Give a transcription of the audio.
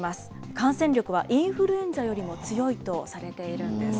感染力はインフルエンザよりも強いとされているんです。